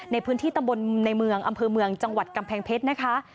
ในพื้นที่ตำบลในเมืองอำเภอเมืองจังหวัดกำแพงเพชรนะคะ